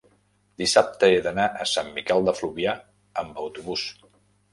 dissabte he d'anar a Sant Miquel de Fluvià amb autobús.